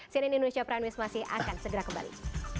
cnn indonesia prime news masih akan segera kembali